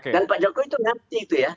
dan pak jokowi itu mengerti itu ya